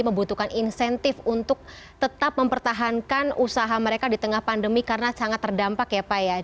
membutuhkan insentif untuk tetap mempertahankan usaha mereka di tengah pandemi karena sangat terdampak ya pak ya